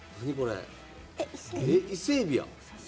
伊勢えびやん。